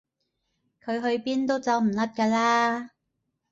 佢去邊都走唔甩㗎啦